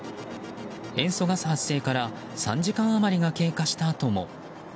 塩素ガス発生から３時間余りが経過したあとも。